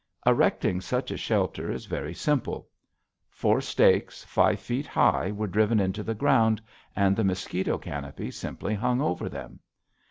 Erecting such a shelter is very simple. Four stakes, five feet high, were driven into the ground and the mosquito canopy simply hung over them.